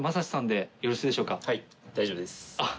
大丈夫です。